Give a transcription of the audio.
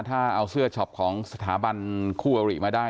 ถ้าเอาเสื้อช็อปของสถาบันคู่อริมาได้